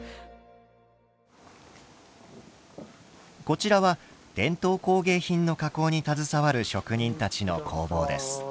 こちらは伝統工芸品の加工に携わる職人たちの工房です。